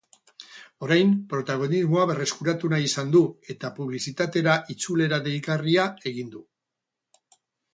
Orain, protagonismoa berreskuratu nahi izan du eta publizitatera itzulera deigarria egin du.